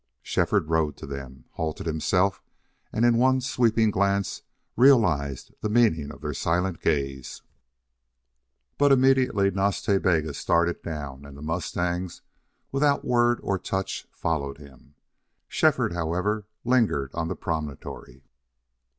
Shefford rode to them, halted himself, and in one sweeping glance realized the meaning of their silent gaze. But immediately Nas Ta Bega started down; and the mustangs, without word or touch, followed him. Shefford, however, lingered on the promontory.